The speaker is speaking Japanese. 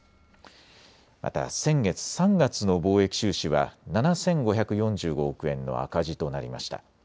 また先月３月の貿易収支は７５４５億円の赤字となりました。